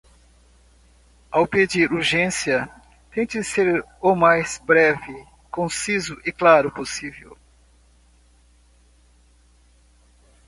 Ao pedir urgência, tente ser o mais breve, conciso e claro possível.